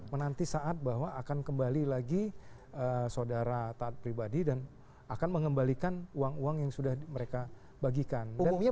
menanti saat bahwa akan kembali lagi saudara taat pribadi dan akan mengembalikan uang uang yang sudah mereka bagikan